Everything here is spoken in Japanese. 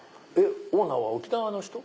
オーナーは沖縄の人？